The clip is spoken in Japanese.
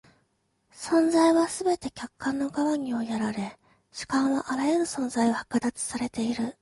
存在はすべて客観の側に追いやられ、主観はあらゆる存在を剥奪されている。